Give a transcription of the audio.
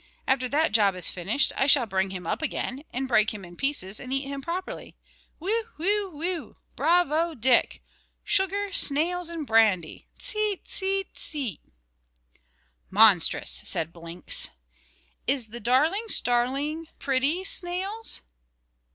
After that job is finished, I shall bring him up again, break him in pieces, and eat him properly. Whew, whew, whew! Bravo, Dick! Sugar, snails, and brandy! Tse, tse, tse!" "Monstrous!" said Blinks. "Is the darling starling pretty, snails?"